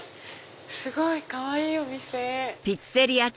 すごいかわいいお店。